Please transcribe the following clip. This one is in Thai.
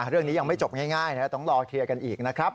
เรื่องนี้ยังไม่จบง่ายต้องรอเคลียร์กันอีกนะครับ